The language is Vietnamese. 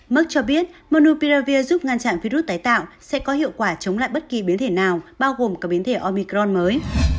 mac cho biết monupiravir giúp ngăn chặn virus tái tạo sẽ có hiệu quả chống lại bất kỳ biến thể nào bao gồm cả biến thể omicron mới